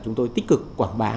chúng tôi tích cực quảng bá